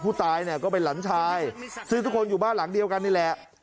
ผู้ตายเนี่ยก็เป็นหลานชายซึ่งทุกคนอยู่บ้านหลังเดียวกันนี่แหละ